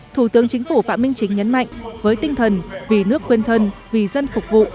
thủ tướng chính phủ phạm minh chính nhấn mạnh với tinh thần vì nước quên thân vì dân phục vụ